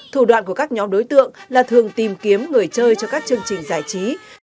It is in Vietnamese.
thủ đoạn của các nhóm đối tượng là thường tìm kiếm người chơi cho các chương trình giải trí